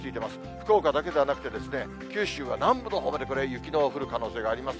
福岡だけではなくて、九州は南部のほうまでこれ、雪の降る可能性があります。